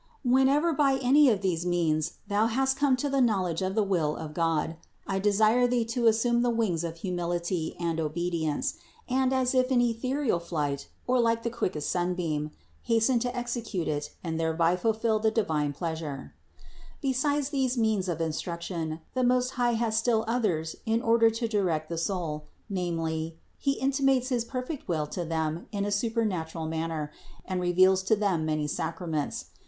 Whenever by any of these means thou hast come to the knowledge of the will of God, I desire thee to assume the wings of humility 160 CITY OF GOD and obedience, and, as if in ethereal flight or like the quickest sunbeam, hasten to execute it and thereby ful fill the divine pleasure. 198. Besides these means of instruction, the Most High has still others in order to direct the soul ; namely, He intimates his perfect will to them in a supernatural manner, and reveals to them many sacraments.